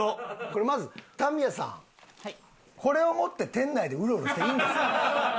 これまずタミヤさんこれを持って店内でウロウロしていいんですか？